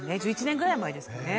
１１年ぐらい前ですかね